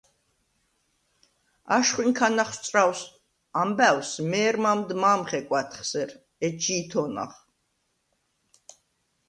აშხუ̂ინ ქა ნახსწუ̂რაუ̂ს ამბა̈უ̂ს, მე̄რმა̄დ მა̄მ ხეკუ̂ა̈დხ სერ, ეჯჟი ითო̄ნახ.